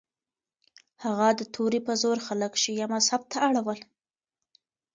هغه د توري په زور خلک شیعه مذهب ته اړول.